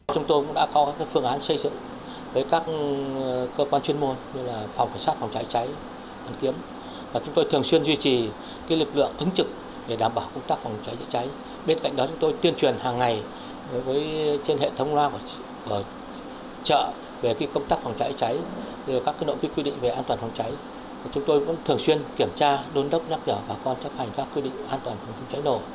chúng tôi cũng thường xuyên kiểm tra đốn đốc nhắc nhở bà con chấp hành các quy định an toàn phòng cháy nổ